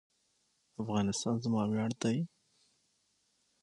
افغانستان زما ویاړ دی؟